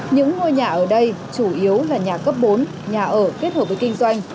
những ngôi nhà ở đây chủ yếu là nhà cấp bốn nhà ở kết hợp với kinh doanh